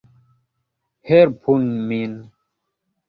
Helpu min!